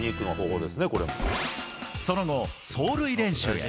その後、走塁練習へ。